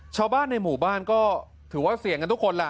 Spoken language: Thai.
ชาวบ้านในหมู่บ้านก็ถือว่าเสี่ยงกันทุกคนล่ะ